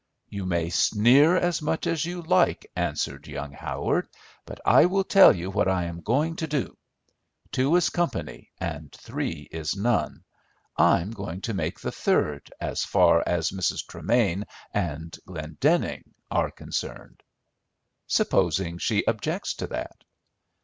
"You may sneer as much as you like," answered young Howard, "but I will tell you what I am going to do. Two is company, and three is none; I'm going to make the third, as far as Mrs. Tremain and Glendenning are concerned." "Supposing she objects to that?"